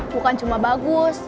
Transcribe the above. bukan cuma bagus